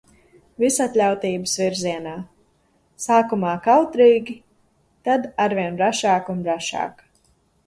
Visatļautības virzienā. Sākumā kautrīgi, tad arvien brašāk un brašāk.